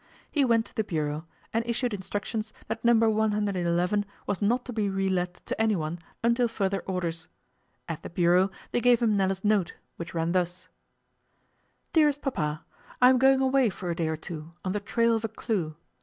He went to the bureau, and issued instructions that No. 111 was not to be re let to anyone until further orders. At the bureau they gave him Nella's note, which ran thus: Dearest Papa, I am going away for a day or two on the trail of a clue.